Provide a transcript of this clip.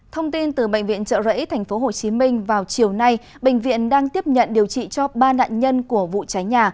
thông tin từ bệnh viện trợ rẫy tp hcm vào chiều nay bệnh viện đang tiếp nhận điều trị cho ba nạn nhân của vụ cháy nhà